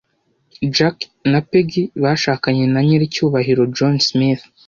Jack na Peggy bashakanye na nyiricyubahiro John Smith.